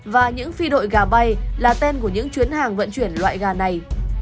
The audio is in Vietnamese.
và những phi đội gà bay là tên của những chuyến hàng vận chuyển loại gà này